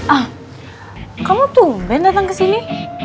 ah kamu tumben datang ke sini